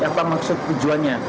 apa maksud tujuannya